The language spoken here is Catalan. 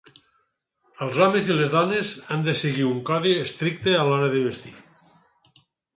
Els homes i les dones han de seguir un codi estricte a l'hora de vestir.